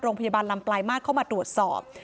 โรงพยาบาลลำปลายมาตรเข้ามาตรวจสอบ